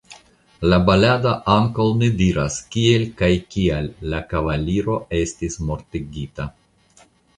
La balado ankaŭ ne diras kiel kaj kial la kavaliro estis mortigita.